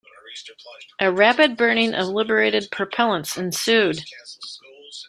A rapid burning of liberated propellants ensued.